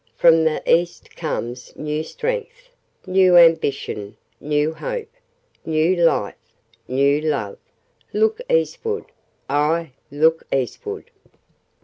From the East comes new strength, new ambition, new Hope, new Life, new Love! Look Eastward! Aye, look Eastward!"